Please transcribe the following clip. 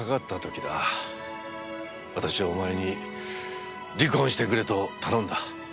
私はお前に離婚してくれと頼んだ。